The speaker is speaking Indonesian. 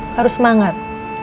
kamu harus semangat